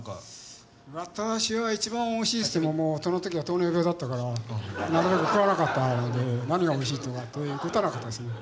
私は一番おいしいっていってももうその時は糖尿病だったからなるべく食わなかったので何がおいしいとかという事はなかったですね。